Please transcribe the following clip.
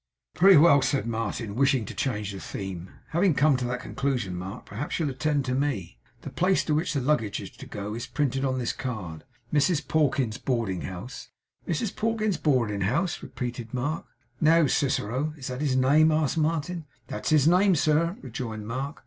'Very well,' said Martin, wishing to change the theme. 'Having come to that conclusion, Mark, perhaps you'll attend to me. The place to which the luggage is to go is printed on this card. Mrs Pawkins's Boarding House.' 'Mrs Pawkins's boarding house,' repeated Mark. 'Now, Cicero.' 'Is that his name?' asked Martin 'That's his name, sir,' rejoined Mark.